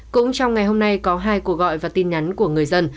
cũng trong ngày hôm nay có hai cuộc gọi và tin nhắn của người dân